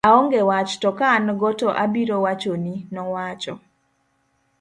aonge wach to ka an go to abiro wachoni, nowacho